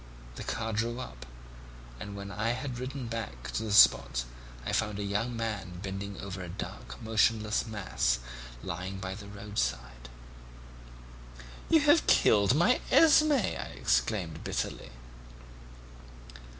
The car drew up, and when I had ridden back to the spot I found a young man bending over a dark motionless mass lying by the roadside. "'You have killed my Esmé,' I exclaimed bitterly.